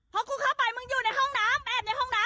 พอกูเข้าไปมึงอยู่ในห้องน้ำแอบในห้องน้ำ